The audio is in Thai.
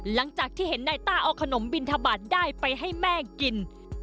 หลังจากที่เห็นนายต้าเอาขนมบินทบาทได้ไปให้แม่กิน